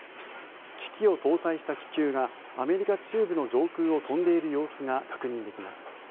機器を搭載した気球がアメリカ中部の上空を飛んでいる様子が確認できます。